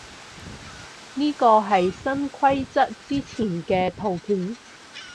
呢個係新規則之前嘅圖片